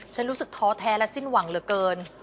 รู้สึกท้อแท้และสิ้นหวังเหลือเกิน